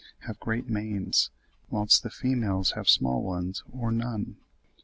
have great manes, whilst the females have small ones or none.